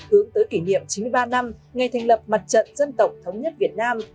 hướng tới kỷ niệm chín mươi ba năm ngày thành lập mặt trận dân tộc thống nhất việt nam